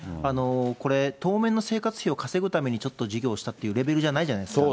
これ、当面の生活費を稼ぐためにちょっと事業をしたというレベルじゃないじゃないですか。